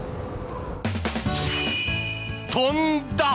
飛んだ！